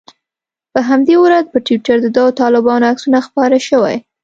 په همدې ورځ پر ټویټر د دوو طالبانو عکسونه خپاره شوي.